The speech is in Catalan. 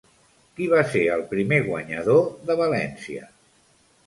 Qui va ser el primer guanyador de València?